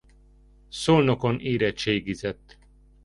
Szolnokon érettségizett.